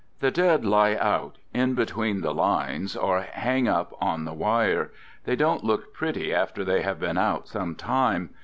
The dead lie out in between the lines or hang up on the wire; they don't look pretty after they have been out some time.